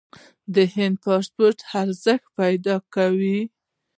د هند پاسپورت ارزښت پیدا کوي.